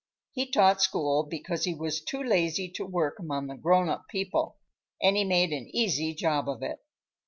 He taught school because he was too lazy to work among grown up people, and he made an easy job of it.